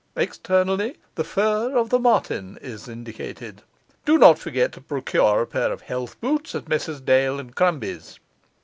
Externally, the fur of the marten is indicated. Do not forget to procure a pair of health boots at Messrs Dail and Crumbie's.